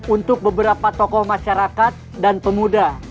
untuk beberapa tokoh masyarakat dan pemuda